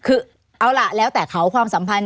คือเอาล่ะแล้วแต่เขาความสัมพันธ